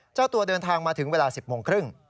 เจ้าตัวเดินทางมาถึงเวลา๑๐โมงครึ่ง